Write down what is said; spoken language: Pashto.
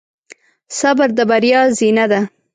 صبر د بریا زینه ده.